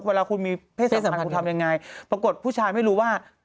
เวลาคุณมีเพศสัมพันธ์คุณทำยังไงปรากฏผู้ชายไม่รู้ว่า